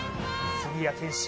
杉谷拳士